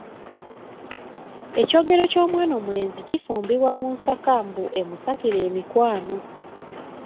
Ekyogero ky'omwana omulenzi kifumbibwa mu nsaka mbu emusakire emikwano.